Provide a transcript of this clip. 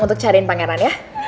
untuk cariin pangeran ya